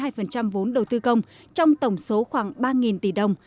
trong tổng số khoảng bảy mươi hai vốn đầu tư công trong tổng số khoảng ba tỷ đồng